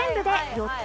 ４つ？